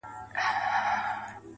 • راسه چي زړه مي په لاسو کي درکړم.